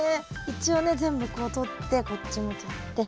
一応ね全部こうとってこっちもとって。